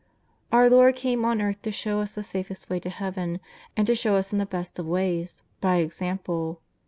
Our Lord came on earth to show us the safest way to heaven, and to show us in the best of ways, by example.